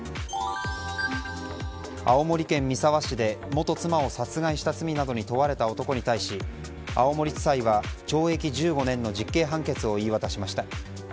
青森県三沢市で元妻を殺害した罪などに問われた男に対し青森地裁は懲役１５年の実刑判決を言い渡しました。